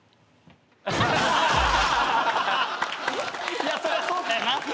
いやそりゃそうだよな。